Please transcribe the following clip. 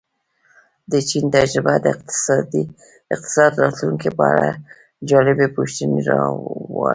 د چین تجربه د اقتصاد راتلونکې په اړه جالبې پوښتنې را ولاړوي.